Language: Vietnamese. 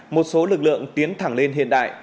một số lực lượng tiến thẳng lên hiện đại